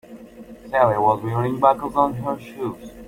Celia was wearing buckles on her shoes.